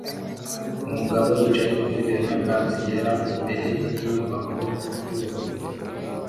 Umugabo yicaye ku ntebe ya nyakatsi yera imbere yinyubako yubururu